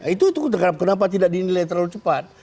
itu kenapa tidak dinilai terlalu cepat